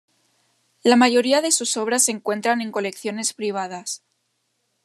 La mayoría de sus obras se encuentran en colecciones privadas.